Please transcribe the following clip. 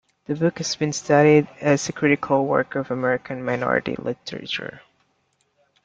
The book has been studied as a critical work of American minority literature.